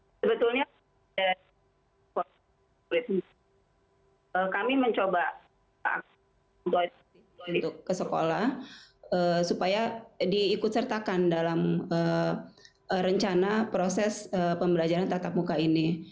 sebetulnya kami mencoba untuk ke sekolah supaya diikut sertakan dalam rencana proses pembelajaran tatap muka ini